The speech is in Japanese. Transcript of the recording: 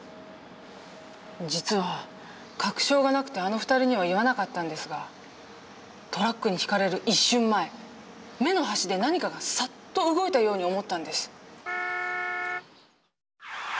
実は確証がなくてあの２人には言わなかったんですがトラックにひかれる一瞬前目の端で何かがさっと動いたように思ったんです。